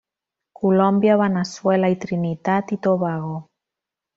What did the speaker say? Colòmbia, Veneçuela i Trinitat i Tobago.